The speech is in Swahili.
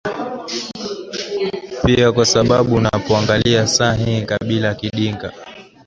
pia kwa sababu unapoangalia saa hii kabila kidinga